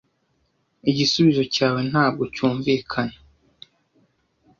Igisubizo cyawe ntabwo cyumvikana.